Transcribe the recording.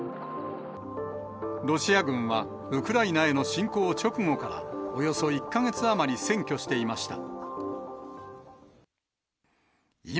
ロシア軍は、ウクライナへの侵攻直後から、およそ１か月余り占拠していました。